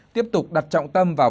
tiếp tục đặt trọng tâm vào